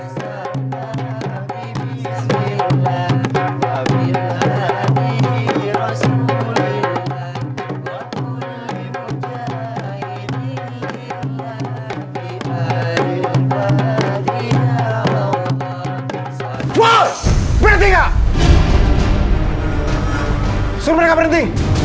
suruh mereka berhenti